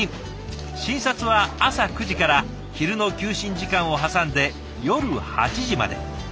診察は朝９時から昼の休診時間を挟んで夜８時まで。